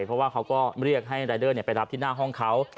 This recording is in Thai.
เพราะว่าเขาก็เรียกให้รายเดอร์ไปรับที่หน้าห้องเขา